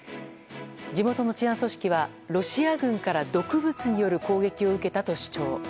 地元の治安組織はロシア軍から毒物による攻撃を受けたと主張。